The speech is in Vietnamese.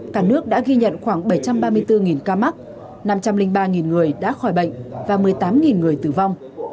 cả nước đã ghi nhận khoảng bảy trăm ba mươi bốn ca mắc năm trăm linh ba người đã khỏi bệnh và một mươi tám người tử vong